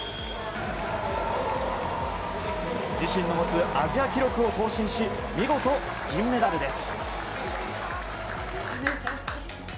自身の持つアジア記録を更新し見事、銀メダルです。